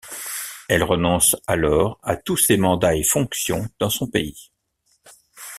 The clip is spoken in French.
Elle renonce alors à tous ses mandats et fonctions dans son pays.